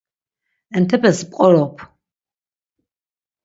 Entepes p̌qorop.